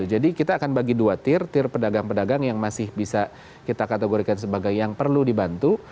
jadi kita akan bagi dua tir tir pedagang pedagang yang masih bisa kita kategorikan sebagai yang perlu dibantu